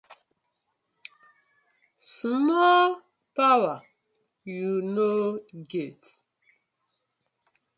Small powar yu no get.